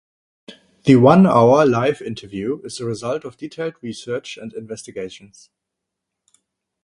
The one-hour live interview is the result of detailed research and investigations.